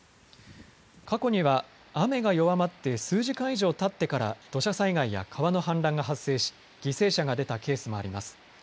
過去には雨が弱まって数時間以上たってから土砂災害や川の氾濫が発生し犠牲者が出たケースもあります。